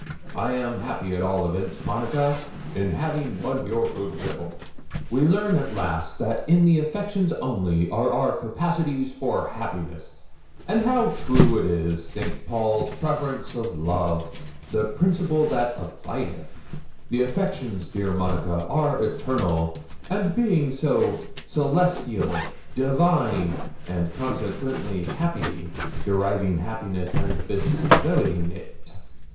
'"I am happy, at all events, Monica, in having won your good will; we learn at last that in the affections only are our capacities for happiness; and how true is St. Paul's preference of love the principle that abideth! The affections, dear Monica, are eternal; and being so, celestial, divine, and consequently happy, deriving happiness, and bestowing it."